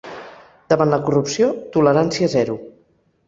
Davant la corrupció, tolerància zero.